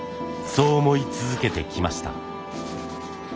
そう思い続けてきました。